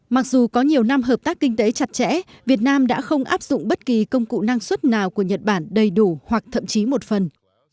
mặc dù có nhiều năm hợp tác kinh tế chặt chẽ việt nam đã không áp dụng bất kỳ công cụ năng suất nào của nhật bản đầy đủ hoặc thậm chí một phần